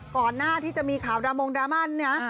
ก่อนหน้าที่จะมีข่าวดรามงดราม่าเนี่ย